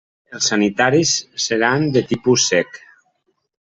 Els sanitaris seran de tipus sec.